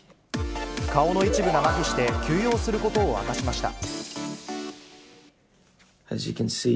顔の一部がまひして休養することを明かしました。